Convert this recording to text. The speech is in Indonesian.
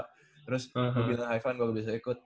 terus gua bilang hai fan gua ga bisa ikut